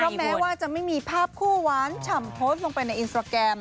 แม้ว่าจะไม่มีภาพคู่หวานฉ่ำโพสต์ลงไปในอินสตราแกรม